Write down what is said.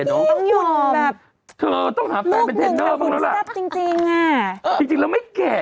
เนอะต้องหาแฟนเป็นเทรนเนอร์จริงจริงอ่ะเออจริงจริงแล้วไม่แก่